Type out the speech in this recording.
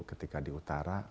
ketika di utara